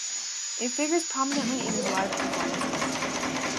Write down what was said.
It figures prominently in his live performances.